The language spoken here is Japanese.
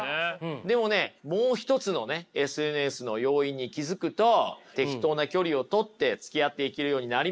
でもねもう一つのねＳＮＳの要因に気付くと適当な距離をとってつきあっていけるようになります。